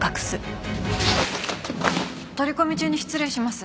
取り込み中に失礼します。